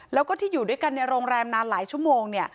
แล้วก็ที่อยู่ด้วยกันในโรงแรมนานหลายชั่วโมง